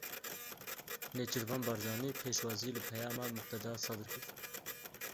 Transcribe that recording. Nêçîrvan Barzanî pêşwazî li peyama Muqteda Sedr kir.